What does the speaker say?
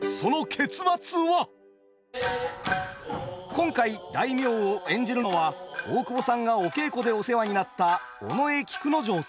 今回大名を演じるのは大久保さんがお稽古でお世話になった尾上菊之丞さん。